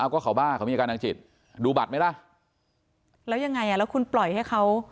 ก็เขาบ้าเขามีอาการทางจิตดูบัตรไหมล่ะแล้วยังไง